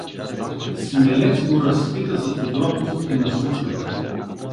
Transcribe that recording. Смилец го разпита за подробностите на случката.